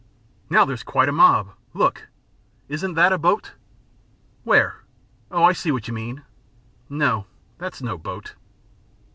"Now there's quite a mob. Look! Isn't that a boat?" "Where? Oh, I see where you mean. No, that's no boat."